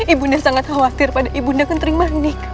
ibunda sangat khawatir pada ibunda kentering manik